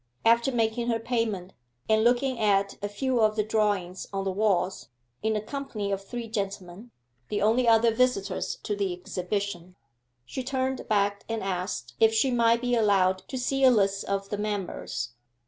After making her payment, and looking at a few of the drawings on the walls, in the company of three gentlemen, the only other visitors to the exhibition, she turned back and asked if she might be allowed to see a list of the members.